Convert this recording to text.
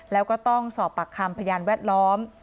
แล้วก็ต้องสอบปากคำพยานแวดล้อม